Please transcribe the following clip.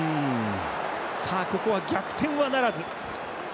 ここは逆転はならず。